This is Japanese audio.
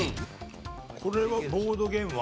これはボードゲームは？